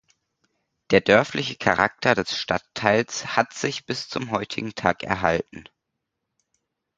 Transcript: Der dörfliche Charakter des Stadtteils hat sich bis zum heutigen Tag erhalten.